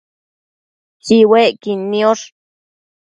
Tsiuecquid niosh